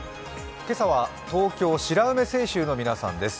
今朝は東京白梅清修の皆さんです。